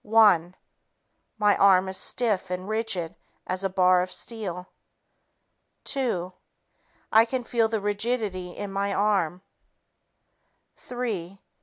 One ... My arm is stiff and rigid as a bar of steel. Two ... I can feel the rigidity in my arm. Three